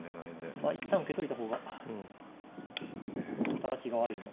まあ一旦受けといた方が働きが悪いので。